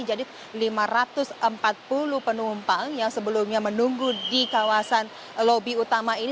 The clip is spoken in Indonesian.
jadi lima ratus empat puluh penumpang yang sebelumnya menunggu di kawasan lobi utama ini